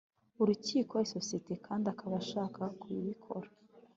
rukiko isosiyete kandi akaba ashaka kubikora